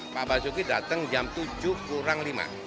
pak basuki datang jam tujuh kurang lima